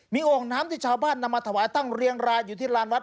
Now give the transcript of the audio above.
มีโอ่งน้ำที่ชาวบ้านนำมาถวายตั้งเรียงรายอยู่ที่ลานวัด